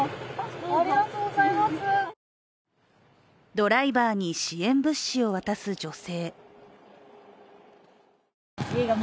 ドライバーに支援物資を渡す女性。